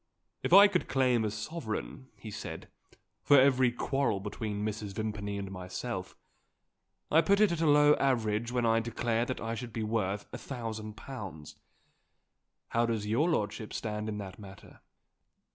"If I could claim a sovereign," he said, "for every quarrel between Mrs. Vimpany and myself, I put it at a low average when I declare that I should be worth a thousand pounds. How does your lordship stand in that matter?